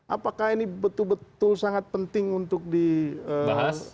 apakah ini betul betul sangat penting untuk dilakukan